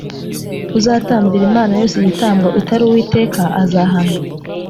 uzatambira imana yose igitambo itari uwiteka , azahanwa